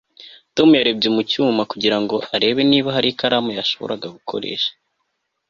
tom yarebye mu cyuma kugira ngo arebe niba hari ikaramu yashoboraga gukoresha